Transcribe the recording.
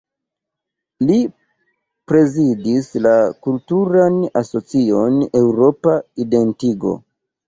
Li prezidis la kulturan asocion Eŭropa Identigo.